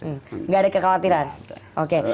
tidak ada kekhawatiran oke